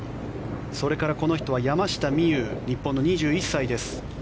それから、この人は山下美夢有日本の２１歳です。